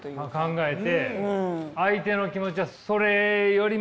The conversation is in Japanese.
考えて相手の気持ちはそれよりも少なかった。